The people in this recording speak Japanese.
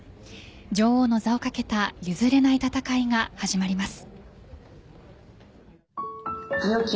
女王の座をかけた譲れない戦いが始まります。